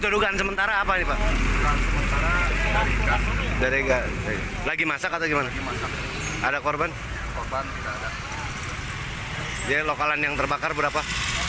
dia lokalan yang terbakar berapa